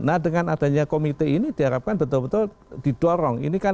nah dengan adanya komite ini diharapkan betul betul didorong